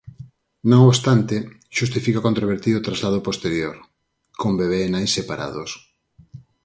Non obstante, xustifica o controvertido traslado posterior, con bebé e nai separados.